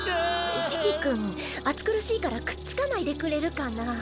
シキ君暑苦しいからくっつかないでくれるかなぁ。